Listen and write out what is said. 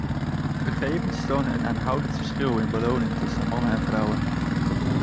De gegevens tonen een aanhoudend verschil in beloning tussen mannen en vrouwen.